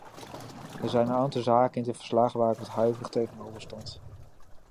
Er zijn een aantal zaken in dit verslag waar ik wat huiverig tegenover stond.